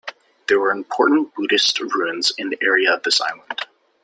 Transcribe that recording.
There were important Buddhist ruins in an area of this island.